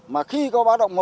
mà khi có báo động một